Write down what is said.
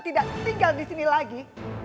tidak tinggal di sini lagi